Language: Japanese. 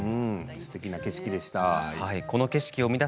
すてきな景色でした。